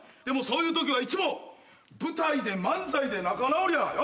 でもそういうときはいつも舞台で漫才で仲直りや。